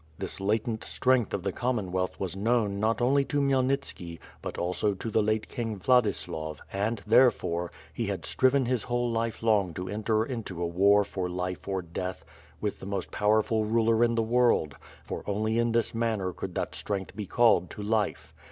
This latent strength of the Commonwealth was known not only to Khmyelnitski, but also to the late King Vladislav and, therefore, he had striven his whole life long to enter into a war for life or death with the most powerful ruler in the world, for only in this manner could that strength bo called to life.